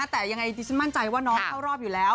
แต่ยังไงดิฉันมั่นใจว่าน้องเข้ารอบอยู่แล้ว